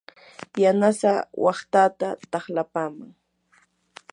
yanasaa waqtataa taqlapaman.